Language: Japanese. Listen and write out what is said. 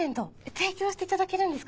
提供していただけるんですか？